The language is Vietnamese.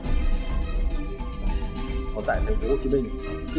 trong cầm thủy tiền